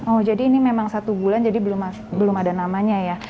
oh jadi ini memang satu bulan jadi belum ada namanya ya